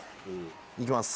いきます。